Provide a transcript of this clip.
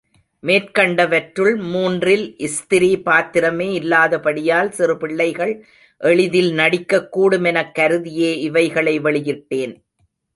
மேற்கண்டவற்றுள், மூன்றில் ஸ்திரீ பாத்திரமே இல்லாதபடியால் சிறுபிள்ளைகள் எளிதில் நடிக்கக் கூடுமெனக் கருதியே இவைகளை வெளியிட்டேன்.